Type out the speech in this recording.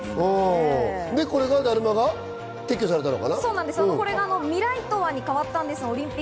これでダルマがこれがミライトワに変わったんです。